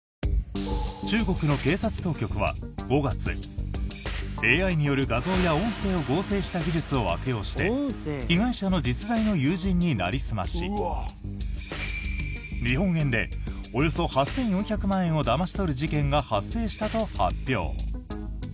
中国の警察当局は５月ＡＩによる画像や音声を合成した技術を悪用して被害者の実在の友人になりすまし日本円でおよそ８４００万円をだまし取る事件が発生したと発表。